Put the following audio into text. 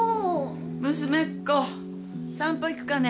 娘っ子散歩行くかね？